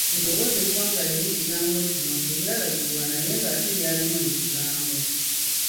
Eddoboozi eriwangaala ery'ekigambo kino teryalagibwa naye ng'ate lyalimu mu kigambo.